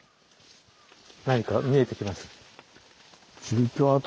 何か見えてきます。